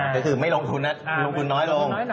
ก็คือไม่ลงทุนน้อยลง